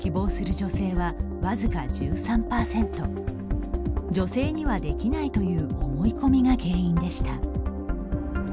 女性にはできないという思い込みが原因でした。